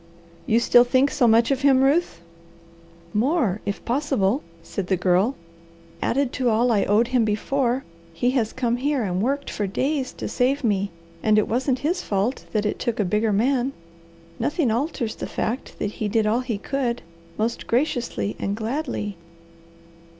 "You still think so much of him, Ruth?" "More, if possible," said the Girl. "Added to all I owed him before, he has come here and worked for days to save me, and it wasn't his fault that it took a bigger man. Nothing alters the fact that he did all he could, most graciously and gladly."